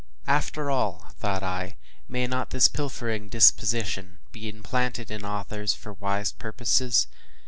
” After all, thought I, may not this pilfering disposition be implanted in authors for wise purposes?